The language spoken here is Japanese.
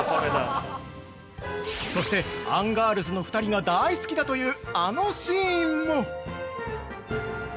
◆そして、アンガールズの２人が大好きだというあのシーンも。